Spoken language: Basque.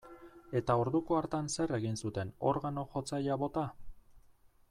Eta orduko hartan zer egin zuten, organo-jotzailea bota?